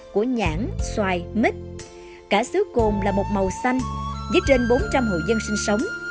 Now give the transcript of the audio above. của nhãn xoài mít cả xứ cồn là một màu xanh với trên bốn trăm linh hội dân sinh sống